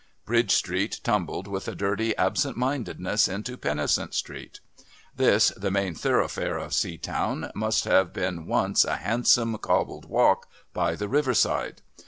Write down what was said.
Bridge Street tumbled with a dirty absent mindedness into Pennicent Street. This, the main thoroughfare of Seatown, must have been once a handsome cobbled walk by the river side.